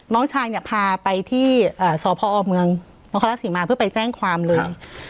น้องชายเนี่ยพาไปที่สพเมืองนครรักศรีมาเพื่อไปแจ้งความเลย